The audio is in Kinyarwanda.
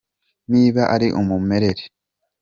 Niba ari mu murere